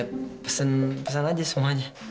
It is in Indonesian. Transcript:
ya pesen pesen aja semuanya